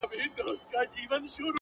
بس کارونه وه د خدای حاکم د ښار سو.